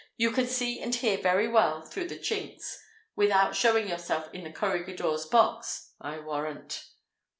You can see and hear very well through the chinks, without showing yourself in the corregidor's box, I warrant."